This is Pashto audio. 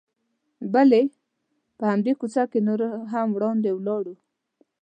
بلې، په همدې کوڅه کې نور هم وړاندې ولاړو.